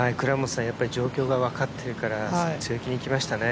状況が分かっているから強気にいきましたね。